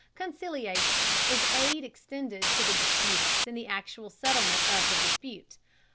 Conciliation is aid extended to the disputants in the actual settlement of the dispute.